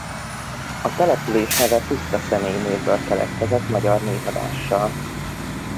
A település neve puszta személynévből keletkezett magyar névadással.